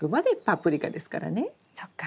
そっか。